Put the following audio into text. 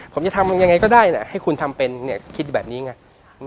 ผมจะทำยังไงก็ได้นะให้คุณทำเป็นเนี่ยคิดอยู่แบบนี้ไง